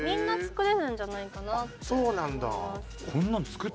そうなんだ。